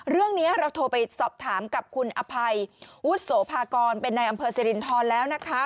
เรื่องนี้เราโทรไปสอบถามกับคุณอภัยวุฒิโสภากรเป็นนายอำเภอสิรินทรแล้วนะคะ